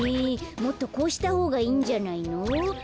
もっとこうしたほうがいいんじゃないの？かして。